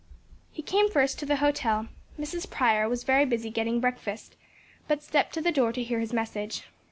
He came first to the hotel. Mrs. Prior was very busy getting breakfast, but stepped to the door to hear his message.